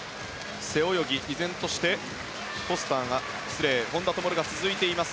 背泳ぎ、依然として本多灯が続いています。